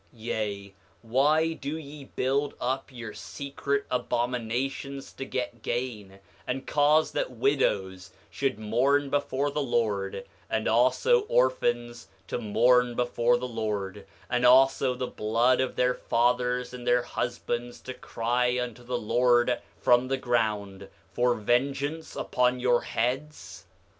8:40 Yea, why do ye build up your secret abominations to get gain, and cause that widows should mourn before the Lord, and also orphans to mourn before the Lord, and also the blood of their fathers and their husbands to cry unto the Lord from the ground, for vengeance upon your heads?